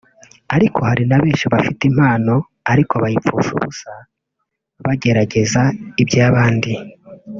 ariko hari na benshi bafite impano ariko bayipfusha ubusa bagerageza ibya bandi